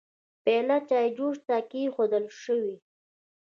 پيالې چايجوشه ته کيښودل شوې.